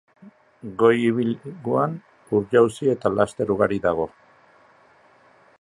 Goi-ibilguan ur-jauzi eta laster ugari dago.